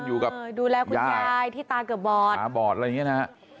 ดูแลคุณยายครูที่ตากละบอดค่ะ